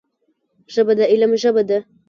ژبه د علم ژبه ده